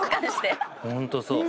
ホントそう。